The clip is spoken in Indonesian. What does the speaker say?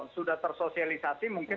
sudah tersosialisasi mungkin